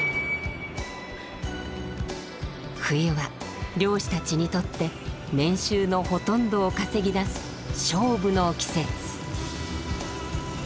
冬は漁師たちにとって年収のほとんどを稼ぎ出す勝負の季節。